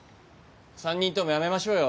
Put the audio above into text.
３人ともやめましょうよ